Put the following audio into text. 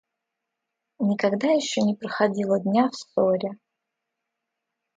Никогда еще не проходило дня в ссоре.